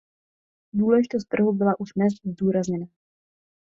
Důležitost trhu byla už dnes zdůrazněná.